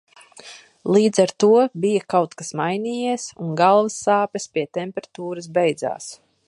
Līdz ar to bija kaut kas mainījies un galvas sāpes pie temperatūras beidzās.